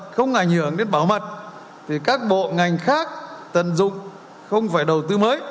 không ảnh hưởng đến bảo mật thì các bộ ngành khác tận dụng không phải đầu tư mới